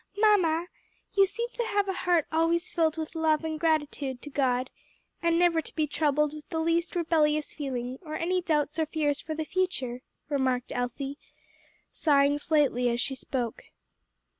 "Mamma, you seem to have a heart always filled with love and gratitude to God, and never to be troubled with the least rebellious feeling, or any doubts or fears for the future," remarked Elsie, sighing slightly as she spoke.